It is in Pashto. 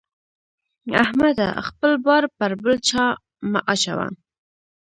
احمده! خپل بار پر بل چا مه اچوه.